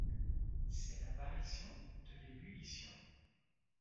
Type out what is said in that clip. C'est l'apparition de l'ébullition.